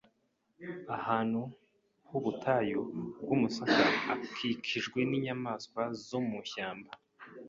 ahantu h’ubutayu bw’umusaka akijijwe n’inyamaswa zo mu ishyamba.